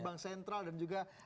bank sentral dan juga